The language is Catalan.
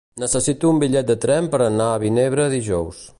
Necessito un bitllet de tren per anar a Vinebre dijous.